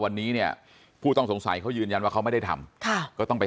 วันนี้เนี่ยผู้ต้องสงสัยเขายืนยันว่าเขาไม่ได้ทำค่ะก็ต้องไป